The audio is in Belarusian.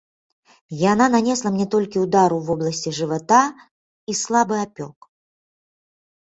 Яна нанесла мне толькі ўдар ў вобласці жывата і слабы апёк.